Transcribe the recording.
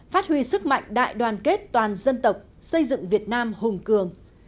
phát huy sức mạnh đại đoàn kết toàn dân tộc xây dựng việt nam hùng cường